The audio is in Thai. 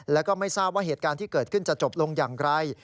แล้วก็ไม่ทราบว่าเหตุการณ์ที่เกิดขึ้นจะจบลงอย่างไร